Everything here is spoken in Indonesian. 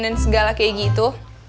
nenek segala kayak gitu